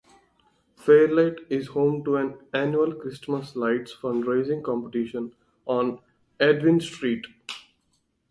Fairlight is home to an annual Christmas Lights fundraising competition on "Edwin Street".